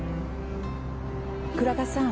倉田さん。